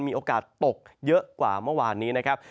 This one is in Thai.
มีโอกาสตกเยอะกว่าเมื่อวานนี้นะครับ